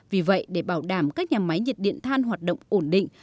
vì vậy để bảo đảm các nhà máy nhiệt điện than hoạt động ổn định